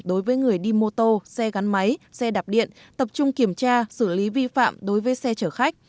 đối với người đi mô tô xe gắn máy xe đạp điện tập trung kiểm tra xử lý vi phạm đối với xe chở khách